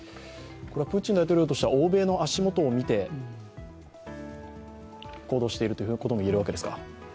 これはプーチン大統領としては欧米の足元を見て行動しているということもいえるわけですか？